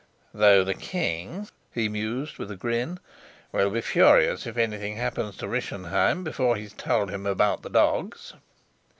"Though the king," he mused, with a grin, "will be furious if anything happens to Rischenheim before he's told him about the dogs."